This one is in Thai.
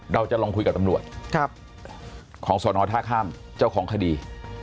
เราจะลองคุยกับตำรวจของสอนอท่าข้ามเจ้าของคดี